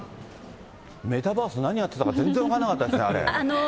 メタバース、何やってたか、全然分かんなかったですね、あれ。